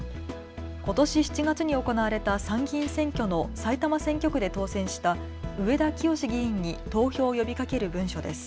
ことし７月に行われた参議院選挙の埼玉選挙区で当選した上田清司議員に投票を呼びかける文書です。